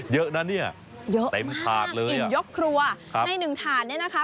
เยอะนะเนี่ยเยอะเต็มถาดเลยอิ่มยกครัวครับในหนึ่งถาดเนี่ยนะคะ